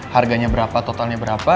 harganya berapa totalnya berapa